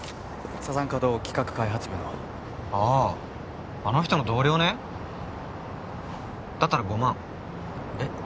山茶花堂企画開発部のあああの人の同僚ねだったら５万えっ？